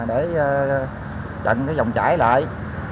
để trận cái dòng chải lại